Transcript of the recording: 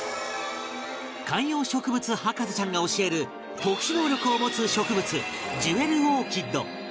観葉植物博士ちゃんが教える特殊能力を持つ植物ジュエルオーキッド